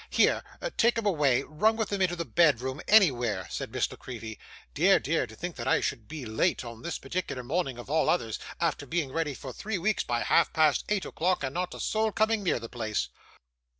'Here, take 'em away; run with 'em into the bedroom; anywhere,' said Miss La Creevy. 'Dear, dear; to think that I should be late on this particular morning, of all others, after being ready for three weeks by half past eight o'clock, and not a soul coming near the place!